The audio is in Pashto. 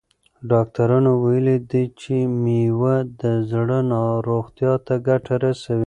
ډاکټرانو ویلي دي چې مېوه د زړه روغتیا ته ګټه رسوي.